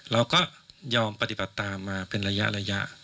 เราก็ยอมปฏิบัติตามมาเป็นระยะ